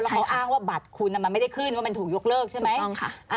แล้วเขาอ้างว่าบัตรคุณมันไม่ได้ขึ้นว่ามันถูกยกเลิกใช่ไหม